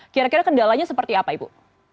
kira kira kendalanya seperti apa ibu